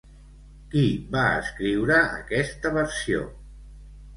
Qui va escriure aquesta versió?